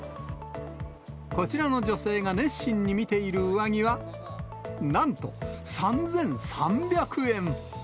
こちらの女性が熱心に見ている上着は、なんと３３００円。